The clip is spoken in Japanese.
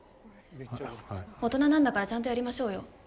大人なんだからちゃんとやりましょうよ！